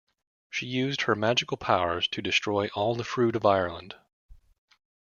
She used her magical powers to destroy all the fruit of Ireland.